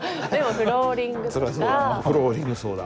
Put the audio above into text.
フローリングそうだ。